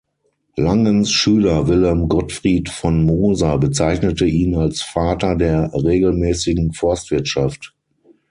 Langens Schüler Wilhelm Gottfried von Moser bezeichnete ihn als Vater der regelmäßigen Forstwirtschaft.